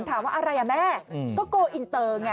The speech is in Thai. ถามว่าอะไรแม่ก็โกอินเตอร์